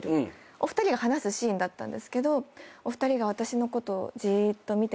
お二人が話すシーンだったんですけどお二人が私のことをじーっと見てくださって。